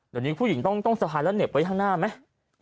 เดี๋ยวนี้ผู้หญิงต้องสะพายแล้วเหน็บไว้ข้างหน้าไหม